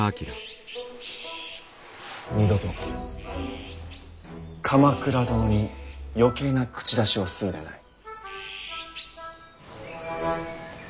二度と鎌倉殿に余計な口出しをするでない。